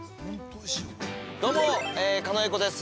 ◆どうも、狩野英孝です。